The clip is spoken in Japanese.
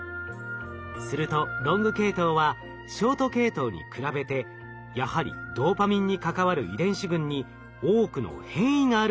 するとロング系統はショート系統に比べてやはりドーパミンに関わる遺伝子群に多くの変異があることが分かりました。